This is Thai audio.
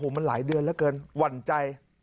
มันหลายเดือนเหลือเกินหวั่นใจ